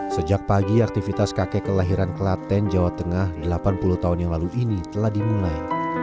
sejak pagi aktivitas kakek kelahiran kelaten jawa tengah delapan puluh tahun yang lalu ini telah dimulai